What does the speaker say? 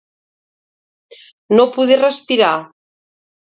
No poder respirar.